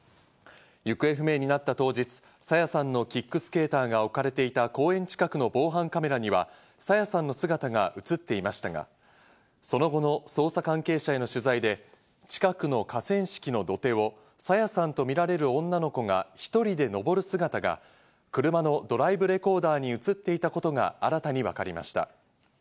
行方不明になった当日、朝芽さんのキックスケーターが置かれていた公園近くの防犯カメラには、朝芽さんの姿が映っていましたが、その後の捜査関係者への取材で近くの河川敷の土手を朝芽さんとみられる女の子が１人で上る姿が車のドライブレコーダーに映っていたことが新たに分かりました。